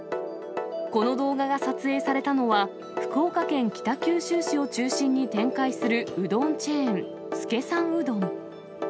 この動画が撮影されたのは、福岡県北九州市を中心に展開するうどんチェーン、資さんうどん。